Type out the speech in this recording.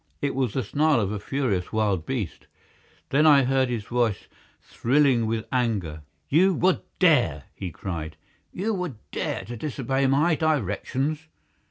It was the snarl of a furious wild beast. Then I heard his voice thrilling with anger. "You would dare!" he cried. "You would dare to disobey my directions!"